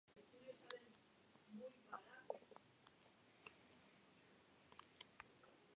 Este enfrentamiento inició la rivalidad.